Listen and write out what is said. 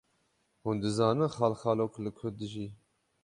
Hûn dizanin xalxalok li ku dijî?